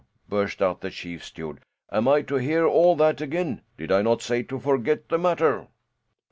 burst out the chief steward. "Am I to hear all that again? Did I not say to forget the matter?"